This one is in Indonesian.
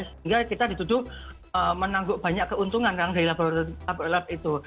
sehingga kita ditujuk menanggung banyak keuntungan kan dari laboratorium laboratorium itu